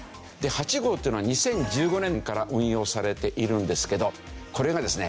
８号っていうのは２０１５年から運用されているんですけどこれがですね